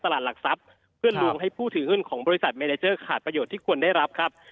หลักทรัพย์เพื่อลวงให้ผู้ถือหุ้นของบริษัทเมเนเจอร์ขาดประโยชน์ที่ควรได้รับครับ